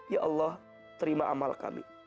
ya allah terima amal kami